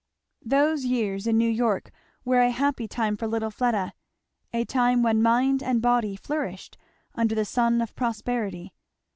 Those years in New York were a happy time for little Fleda, a time when mind and body flourished under the sun of prosperity.